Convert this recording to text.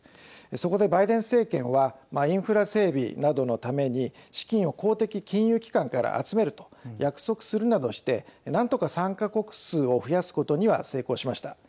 そこで、バイデン政権はインフラ整備などのために資金を公的金融機関から集めると約束するなどして、何とか参加国数を増やすことには成功しました。